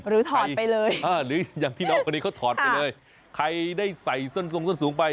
หรือถอดไปเลยหรืออย่างที่นอกพอดีเขาถอดไปเลยใครได้ใส่ส้นสูงไป